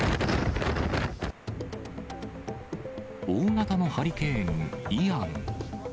大型のハリケーン・イアン。